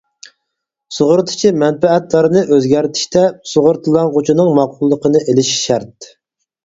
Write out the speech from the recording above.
سۇغۇرتىچى مەنپەئەتدارنى ئۆزگەرتىشتە سۇغۇرتىلانغۇچىنىڭ ماقۇللۇقىنى ئېلىشى شەرت.